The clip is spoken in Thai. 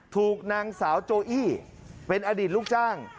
ถูกนางสาวโจอี้เป็นอดีตลูกจ้าง